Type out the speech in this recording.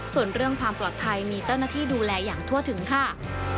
ส่วนเรื่องความปลอดภัยมีเจ้าหน้าที่ดูแลอย่างทั่วถึงค่ะ